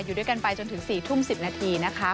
อยู่ด้วยกันไปจนถึง๔ทุ่ม๑๐นาทีนะคะ